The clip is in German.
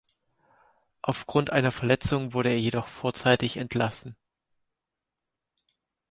Auf Grund einer Verletzung wurde er jedoch vorzeitig entlassen.